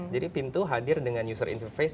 jadi pintu hadir dengan user interaksi